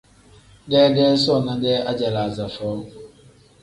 Deedee soona-dee ajalaaza foo.